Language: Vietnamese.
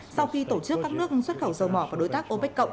sau khi tổ chức các nước xuất khẩu dầu mỏ và đối tác opec cộng